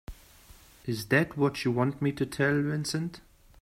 Is that what you want me to tell Vincent?